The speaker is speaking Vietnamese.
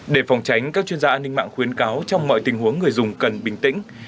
để phòng tránh các chuyên gia an ninh mạng khuyến cáo trong mọi tình huống người dùng cần bình tĩnh